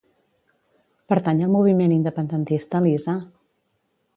Pertany al moviment independentista l'Isa?